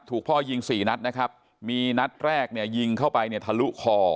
พ่อยิงสี่นัดนะครับมีนัดแรกเนี่ยยิงเข้าไปเนี่ยทะลุคอ